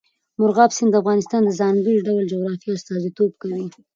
مورغاب سیند د افغانستان د ځانګړي ډول جغرافیه استازیتوب کوي.